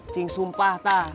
cing sumpah ta